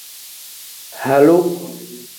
Halu.